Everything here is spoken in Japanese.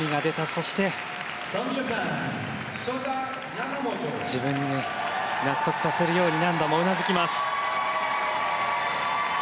そして、自分に納得させるように何度もうなずきます。